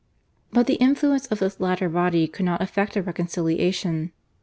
But the influence of this latter body could not effect a reconciliation.